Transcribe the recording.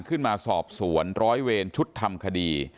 ขึ้นมาสอบสวนร้อยเวรชุดทำคดี